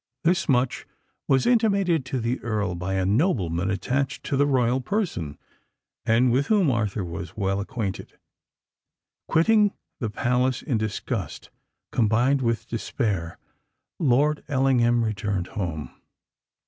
This much was intimated to the Earl by a nobleman attached to the royal person, and with whom Arthur was well acquainted. Quitting the palace in disgust combined with despair, Lord Ellingham returned home.